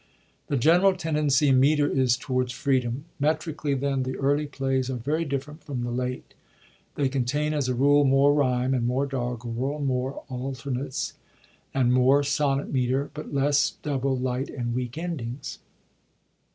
The general tendency in metre is towards freedom. Metrically, then, the early plays are very different from the late : they contain, as a rule, more ryme and more doggerel, more alternates and more sonnet metre, but less double, light, and weak endings.